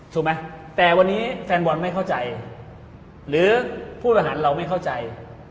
ถูกไหมแต่วันนี้แฟนบอลไม่เข้าใจหรือผู้ประหารเราไม่เข้าใจ